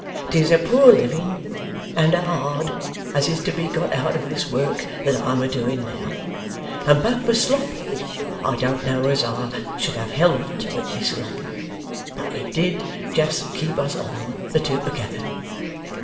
'Tis a poor living and a hard as is to be got out of this work that I'm a doing now, and but for Sloppy I don't know as I should have held to it this long. But it did just keep us on, the two together.